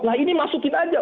nah ini masukin saja